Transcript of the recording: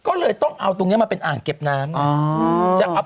ก็เลยต้องเอาตรงนี้มาเป็นอ่างเก็บน้ำ